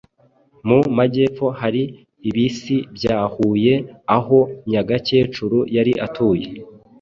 Mu Majyepfo hari ibisi bya Huye aho Nyagakecuru yari atuye,